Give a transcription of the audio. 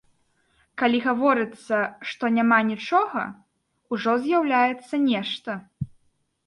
Калі гаворыцца, што няма нічога, ужо з'яўляецца нешта.